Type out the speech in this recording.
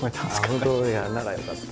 本当？ならよかった。